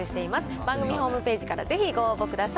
番組ホームページから、ぜひご応募ください。